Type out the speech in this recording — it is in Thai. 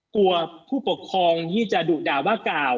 ผู้ปกครองที่จะดุด่าว่ากล่าว